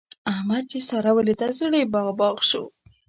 احمد چې سارا وليده؛ زړه يې باغ باغ شو.